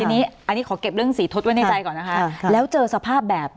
อันนี้อันนี้ขอเก็บเรื่องสีทศไว้ในใจก่อนนะคะแล้วเจอสภาพแบบ